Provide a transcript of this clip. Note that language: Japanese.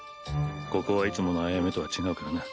ここはいつものアヤメとは違うからな。